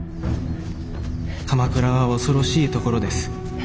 「鎌倉は恐ろしい所です。